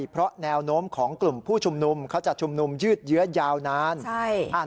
เพราะแนวโน้มของกลุ่มผู้ชุมนุมเขาจะชุมนุมยืดเยื้อยาวนาน